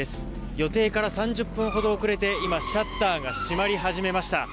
予定から３０分ほど遅れて今シャッターが閉まり始めました。